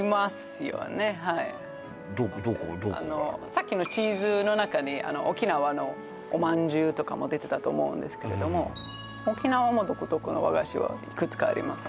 さっきの地図の中に沖縄のおまんじゅうとかも出てたと思うんですけれども沖縄も独特の和菓子はいくつかあります